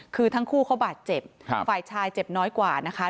คือทั้งคู่เขาบาดเจ็บฝ่ายชายเจ็บน้อยกว่านะคะ